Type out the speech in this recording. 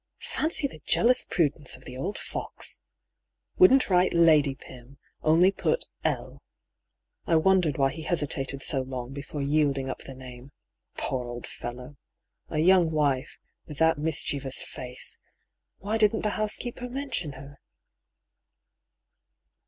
Fancy the jealous prudence of the old fox ! Wouldn't write * Lady Pym,' only put ' L.' I wondered why he hesitated so long before yielding up the name. Poor old fellow ! A young wife, with that mischievous face ! Why didn't the housekeeper mention her